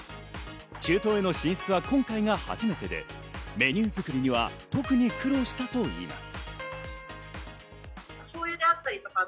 中東への進出は今回が初めてで、メニュー作りには特に苦労したといいます。